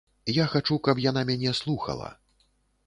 Я хачу, каб яна мяне слухала.